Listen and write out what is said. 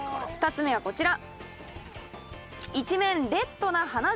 ３つ目はこちら。